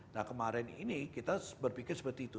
nah kemarin ini kita berpikir seperti itu